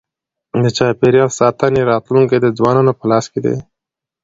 د چاپېریال ساتنې راتلونکی د ځوانانو په لاس کي دی.